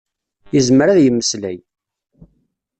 Yezmer ad yemmeslay.